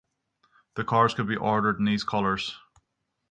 The cars could be ordered in these colors.